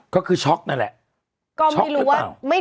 ก็คือช็อกนั่นแหละช็อกหรือว่า